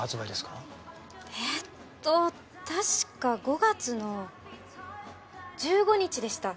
えっと確か５月の１５日でした。